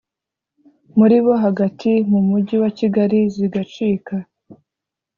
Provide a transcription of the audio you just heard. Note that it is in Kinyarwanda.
muribo hagati mu Mujyi wa Kigali zigacika